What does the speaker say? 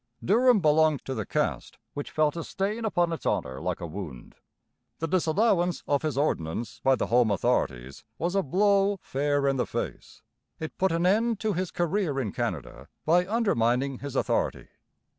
Durham belonged to the caste which felt a stain upon its honour like a wound. The disallowance of his ordinance by the home authorities was a blow fair in the face. It put an end to his career in Canada, by undermining his authority.